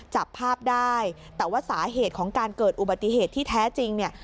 จับภาพได้แต่ว่าสาเหตุของการเกิดอุบัติเหตุที่แท้จริงเนี่ย